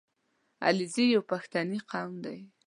• علیزي یو پښتني قوم دی.